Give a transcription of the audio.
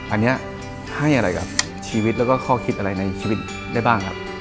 อันนี้ให้อะไรกับชีวิตแล้วก็ข้อคิดอะไรในชีวิตได้บ้างครับ